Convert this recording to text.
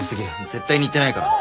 絶対に言ってないから。